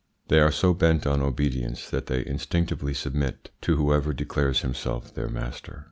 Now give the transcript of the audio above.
They are so bent on obedience that they instinctively submit to whoever declares himself their master.